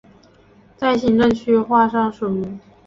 在行政区划上属于。